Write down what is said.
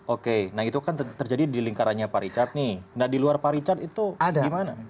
oke nah itu kan terjadi di lingkarannya paricat nih nah di luar paricat itu gimana